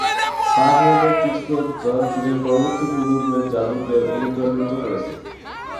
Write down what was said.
ফা-হিয়েনের তীর্থযাত্রা চীনের পরবর্তী প্রজন্মের যাজকদের অনুপ্রাণিত করেছে।